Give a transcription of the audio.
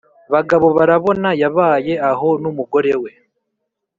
bagabobarabona yabaye aho n’umugore we.